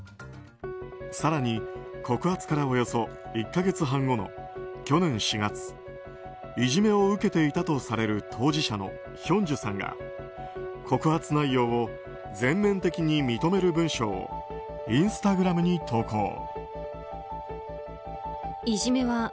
更に、告発からおよそ１か月半後の去年４月いじめを受けていたとされる当事者のヒョンジュさんが告発内容を全面的に認める文章をインスタグラムに投稿。